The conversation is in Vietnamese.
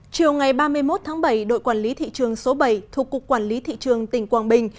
chiều ngày ba mươi một tháng bảy đội quản lý thị trường số bảy thuộc cục quản lý thị trường tỉnh quảng bình